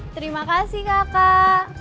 terima kasih kakak